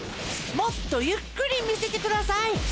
もっとゆっくりみせてください。